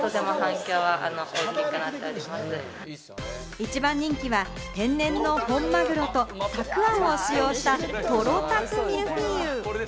一番人気は天然の本マグロとたくあんを使用したトロタクミルフィーユ。